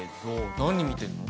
何見てんの？